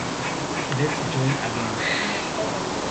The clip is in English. I'm not a prize for you to win.